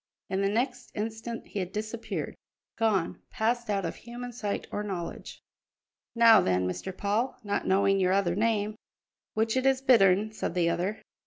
In the next instant he had disappeared gone, passed out of human sight or knowledge. "Now then, Mr. Paul not knowing your other name " "Which it is Bittern," said the other.